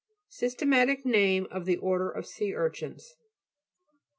Systematic name of the order of sea urchins.